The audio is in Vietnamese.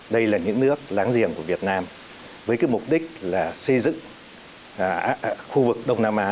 đây là những nước láng giềng của việt nam với mục đích xây dựng khu vực đông nam á